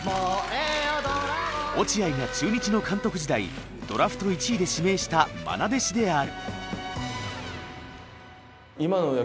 落合が中日の監督時代ドラフト１位で指名した愛弟子である。